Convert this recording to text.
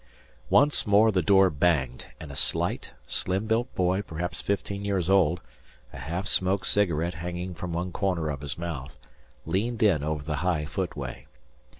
Once more the door banged, and a slight, slim built boy perhaps fifteen years old, a half smoked cigarette hanging from one corner of his mouth, leaned in over the high footway.